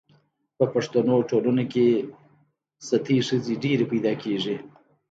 په پښتنو ټولنو کي ستۍ ښځي ډیري پیدا کیږي